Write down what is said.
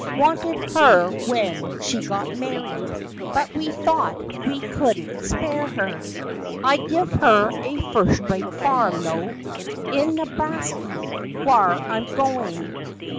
Wanted her when she got married, But we thought we could n't spaar her. I give her a first rate farm, tho', In Nebrasky, whar I'm goin'.